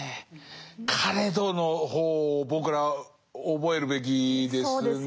「かれど」の方を僕ら覚えるべきですね。